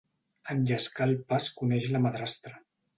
En llescar el pa es coneix la madrastra.